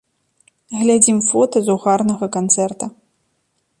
Глядзім фота з угарнага канцэрта.